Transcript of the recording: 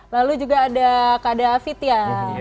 lalu juga ada kak david ya